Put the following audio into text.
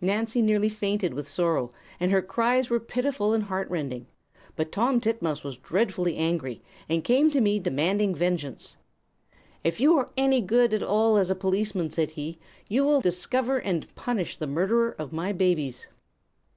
Nancy nearly fainted with sorrow, and her cries were pitiful and heart rending; but Tom Titmouse was dreadfully angry, and came to me demanding vengeance. "'If you are any good at all as a policeman,' said he, 'you will discover and punish the murderer of my babies.'